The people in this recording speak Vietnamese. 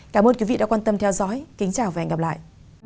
cảm ơn quý vị đã quan tâm theo dõi kính chào và hẹn gặp lại